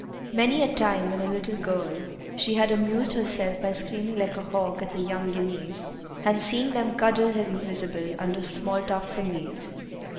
Many a time, when a little girl, she had amused herself by screaming like a hawk at the young guineas, and seeing them cuddle invisible under small tufts and weeds.